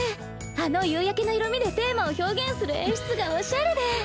あの夕焼けの色味でテーマを表現する演出がおしゃれで。